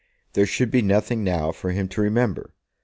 There should be nothing now for him to remember.